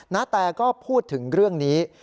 นาแตก็พูดถึงเรื่องนี้